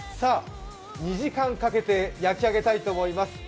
２時間かけて焼き上げたいと思います。